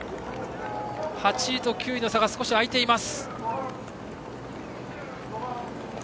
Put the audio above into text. ８位と９位の差は少し開いています。